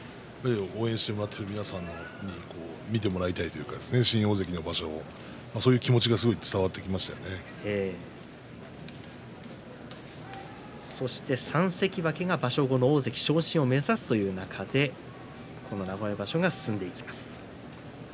コメントにもありましたが応援してもらっている皆さんに見てもらいたいというか新大関の場所をそういう気持ちがそして３関脇が場所後の大関昇進を目指すという中で、この名古屋場所が進んでいきます。